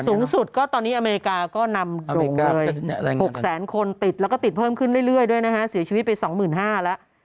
สูงสุดก็ตอนนี้อเมริกาก็นำกลุ่มเลย๖แสนคนติดแล้วก็ติดเพิ่มขึ้นเรื่อยด้วยนะฮะเสียชีวิตไป๒๕๐๐แล้ว